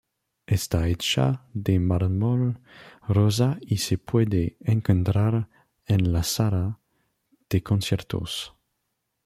Está hecha de mármol rosa y se puede encontrar en la sala de conciertos.